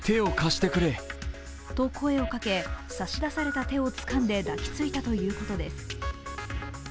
と声をかけ差し出された手をつかんで抱きついたということです。